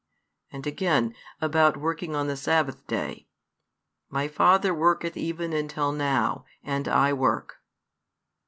And again, about working on the Sabbath day: My Father worketh even until now, and I work.